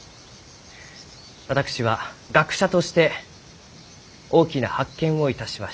私は学者として大きな発見をいたしました。